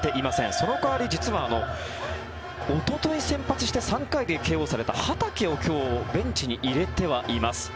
その代わり実はおととい先発して３回でＫＯされた畠を今日ベンチに入れてはいます。